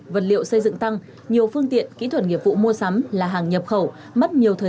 vật liệu xây dựng tăng nhiều phương tiện kỹ thuật nghiệp vụ mua sắm là hàng nhập khẩu mất nhiều thời